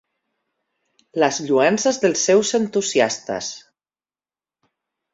Les lloances dels seus entusiastes.